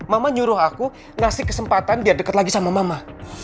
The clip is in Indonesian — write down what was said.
mama nyuruh aku ngasih kesempatan biar dekat lagi sama mama